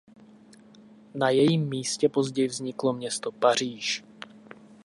Na jejím místě později vzniklo město Paříž.